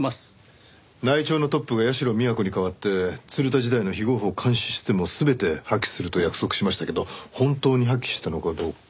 内調のトップが社美彌子に代わって鶴田時代の非合法監視システムを全て破棄すると約束しましたけど本当に破棄したのかどうかは。